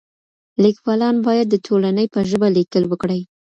ليکوالان بايد د ټولني په ژبه ليکل وکړي.